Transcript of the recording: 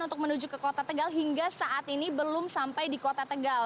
untuk menuju ke kota tegal hingga saat ini belum sampai di kota tegal